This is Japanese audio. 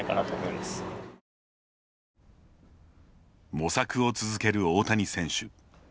模索を続ける大谷選手。